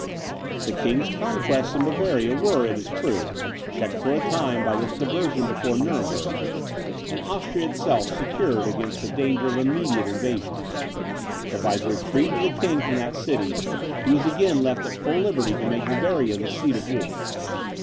The king's conquests in Bavaria, were, it is true, checked for a time by this diversion before Nuremberg, and Austria itself secured against the danger of immediate invasion; but by the retreat of the king from that city, he was again left at full liberty to make Bavaria the seat of war.